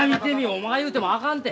お前が言うてもあかんて。